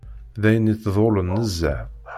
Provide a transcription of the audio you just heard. D ayen yettḍulen nezzeh